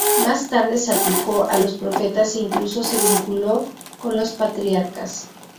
Más tarde se aplicó a los profetas e incluso se vinculó con los patriarcas.